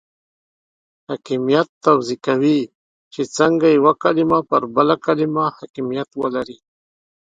حاکمیت توضیح کوي چې څنګه یوه کلمه پر بله کلمه حاکمیت ولري.